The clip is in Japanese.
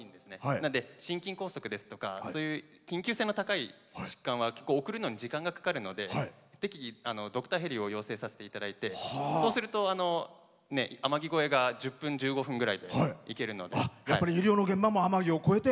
なので、心筋梗塞ですとか緊急性の高い疾患は送るのに時間がかかるので随時、ドクターヘリを要請させていただいてそうすると、天城越えが１０分、１５分ぐらいでいけるので。